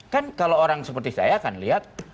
kan kalau orang seperti saya akan lihat